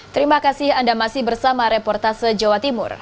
terima kasih anda masih bersama reportase jawa timur